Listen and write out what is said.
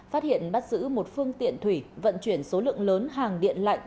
phát hiện bắt giữ một phương tiện thủy vận chuyển số lượng lớn hàng điện lạnh